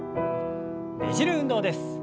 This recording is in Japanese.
ねじる運動です。